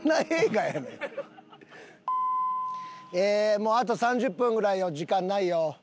もうあと３０分ぐらいよ時間ないよ。